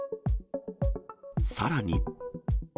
さらに。